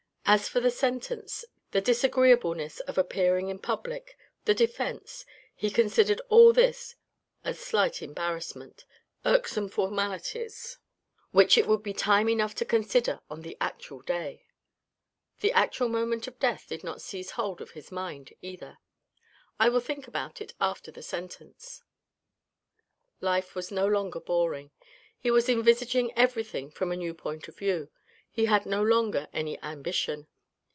As for the sentence, the disagreeableness of appearing in public, the defence, he considered all this as slight embarrassment, irksome formalities, which it would be SAD DETAILS 471 time enough to consider on the actual day. The actual moment of death did not seize hold of his mind either. " I will think about it after the sentence." Life was no longer boring, he was envisaging everything from a new point of view, he had no longer any ambition.